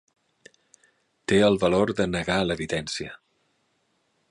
Té el valor de negar l'evidència.